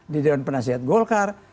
di dewan penasihat golkar